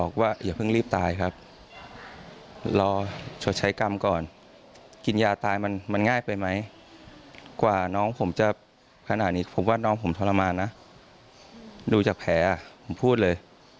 ก่อน้องผมทรมานดูจากแผลผมพูดเลย